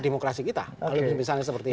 demokrasi kita kalau misalnya seperti